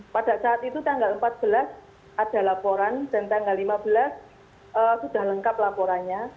pada saat itu tanggal empat belas ada laporan dan tanggal lima belas sudah lengkap laporannya